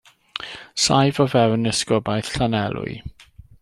Saif o fewn esgobaeth Llanelwy.